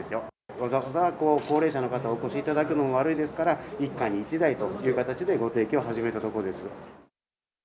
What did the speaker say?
わざわざ高齢者の方、お越しいただくのも悪いですから、一家に一台ということで、ご提供を始めたところです。